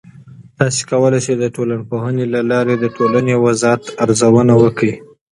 تاسې کولای سئ د ټولنپوهنې له لارې د ټولنې وضعیت ارزونه وکړئ.